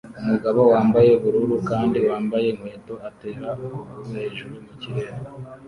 Umugabo wambaye ubururu kandi wambaye inkweto atera ukuguru hejuru mu kirere